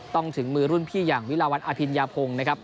ถึงมือรุ่นพี่อย่างวิลาวันอภิญญาพงศ์นะครับ